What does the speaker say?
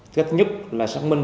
cách nhất là xác minh